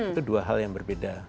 itu dua hal yang berbeda